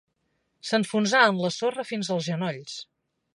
S'enfonsà en la sorra fins als genolls.